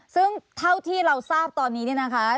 ซึ่งเท่าที่เราทราบตอนนี้เนี่ยนะคะ